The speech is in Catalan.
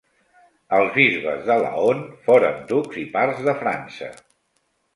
Els bisbes de Laon foren ducs i pars de França.